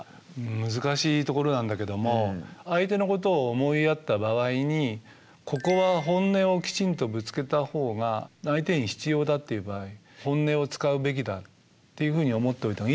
難しいところなんだけども相手のことを思いやった場合にここは「本音」をきちんとぶつけた方が相手に必要だっていう場合「本音」を使うべきだっていうふうに思っておいた方がいいと思うんですよね。